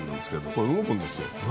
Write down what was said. これ動くんですよ。